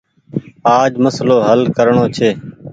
آج مسلو هل ڪرڻو ڇي۔